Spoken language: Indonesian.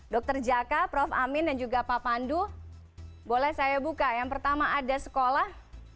dr jaka prof amin dan juga pak pandu boleh saya buka yang pertama ada sekolah